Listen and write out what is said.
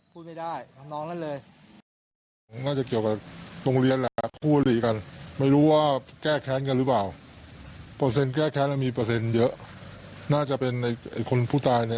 ไปเคลียร์ให้เลยรู้แล้วครับ